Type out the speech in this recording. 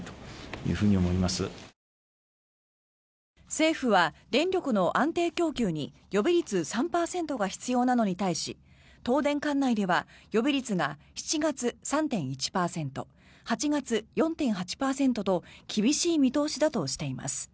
政府は電力の安定供給に予備率３％が必要なのに対し東電管内では予備率が７月、３．１％８月、４．８％と厳しい見通しだとしています。